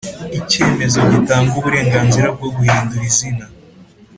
Icyemezo gitanga uburenganzira bwo guhindura izina